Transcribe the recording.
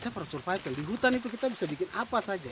saya pernah survival di hutan itu kita bisa bikin apa saja